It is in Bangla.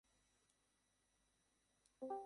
তোমার কাছে গোটা পৃথিবীটাকে এনে দিতে পারবো আমি।